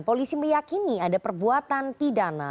polisi meyakini ada perbuatan pidana